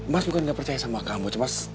mas bukan nggak percaya sama kamu